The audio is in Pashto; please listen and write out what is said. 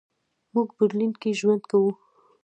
موږ برلین کې ژوند کوو.